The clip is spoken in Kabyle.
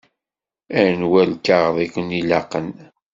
Anwa lkaɣeḍ i ken-ilaqen?